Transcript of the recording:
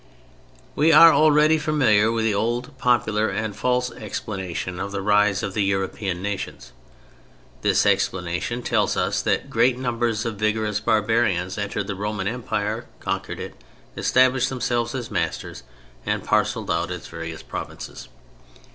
We are already familiar with the old popular and false explanation of the rise of the European nations. This explanation tells us that great numbers of vigorous barbarians entered the Roman Empire, conquered it, established themselves as masters, and parceled out its various provinces.